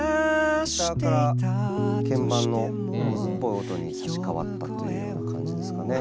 ギターから鍵盤のノイズっぽい音に差し替わったというような感じですかね。